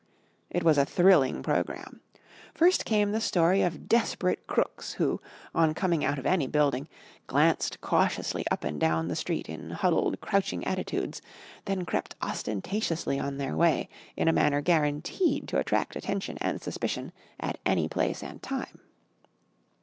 It was a thrilling programme. First came the story of desperate crooks who, on coming out of any building, glanced cautiously up and down the street in huddled, crouching attitudes, then crept ostentatiously on their way in a manner guaranteed to attract attention and suspicion at any place and time.